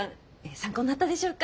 参考になったでしょうか？